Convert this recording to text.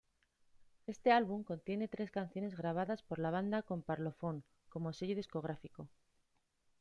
Éste álbum contiene tres canciones grabadas por la banda con Parlophone como sello discográfico.